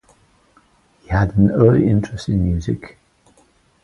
He had an early interest in music.